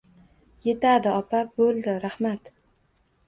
Yetadi, opa. Bo'ladi. Rahmat.